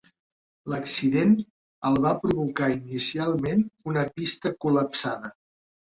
L'accident el va provocar inicialment una pista col·lapsada.